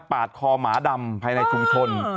ปาดคอหมาดำภายในชุมชน